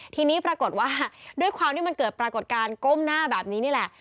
ทีนี้ปรากฏว่าด้วยความที่มันเกิดปรากฏการณ์ก้มหน้าแบบนี้นี่แหละ